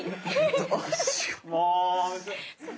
どうしよう。